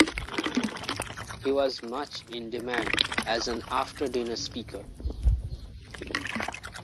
He was much in demand as an after-dinner speaker.